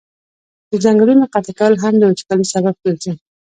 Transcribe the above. د ځنګلونو قطع کول هم د وچکالی سبب ګرځي.